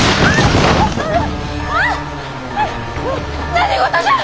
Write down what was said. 何事じゃ！